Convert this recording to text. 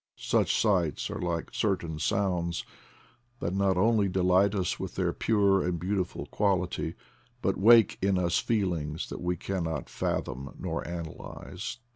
Such sights are like certain sounds, that not only delight us with their pure and beautiful quality, but wake in us feelings that we cannot fathom nor analyze.